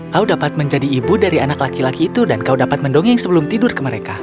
kau dapat menjadi ibu dari anak laki laki itu dan kau dapat mendongeng sebelum tidur ke mereka